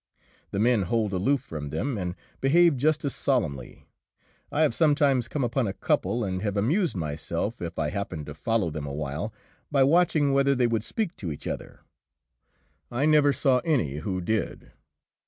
The men hold aloof from them, and behave just as solemnly. I have sometimes come upon a couple, and have amused myself, if I happened to follow them awhile, by watching whether they would speak to each other. I never saw any who did.